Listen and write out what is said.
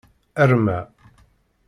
Arma.